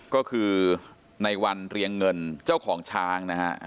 ก็คือในวันเรียงเงินเจ้าของช้างนะฮะ